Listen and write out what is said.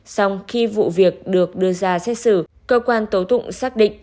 xong khi vụ việc được đưa ra xét xử cơ quan tố tụng xác định